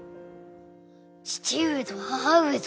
父上と母上ぞ！